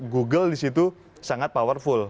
google di situ sangat powerful